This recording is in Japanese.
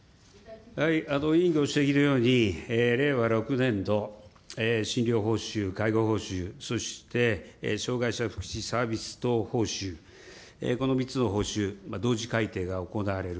委員ご指摘のように、令和６年度、診療報酬、介護報酬、そして障害者福祉サービス等報酬、この３つの報酬、同時改定が行われる。